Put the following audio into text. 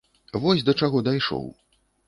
Вось да чаго дайшоў.